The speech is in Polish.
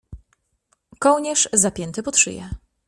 Kołnierz, zapięty pod szyję.